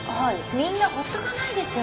みんなほっとかないでしょ。